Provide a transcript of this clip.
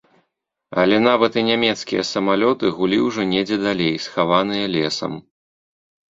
Але нават і нямецкія самалёты гулі ўжо недзе далей, схаваныя лесам.